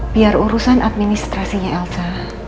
biar urusan administrasinya elsa